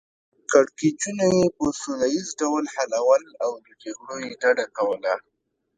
کړکیچونه یې په سوله ییز ډول حلول او له جګړو یې ډډه کوله.